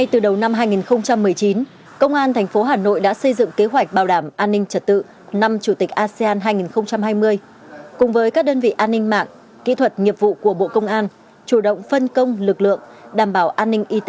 tự ngã gây bức xúc dư luận